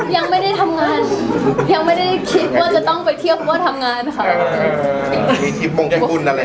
ยังไม่ได้ทำงานยังไม่ได้คิดว่าจะต้องไปเที่ยวเพราะว่าทำงานค่ะ